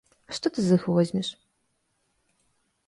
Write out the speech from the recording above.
А што ты з іх возьмеш?